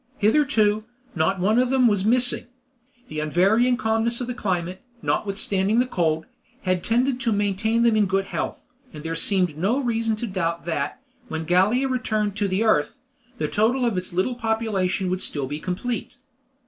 Hitherto, not one of them was missing. The unvarying calmness of the climate, notwithstanding the cold, had tended to maintain them in good health, and there seemed no reason to doubt that, when Gallia returned to the earth, the total of its little population would still be complete.